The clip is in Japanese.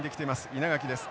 稲垣です。